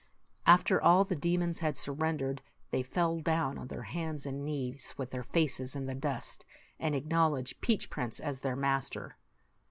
After all the demons had surrendered, they fell down on their hands and knees, with their faces in the dust, and acknowledged Peach Prince as their master.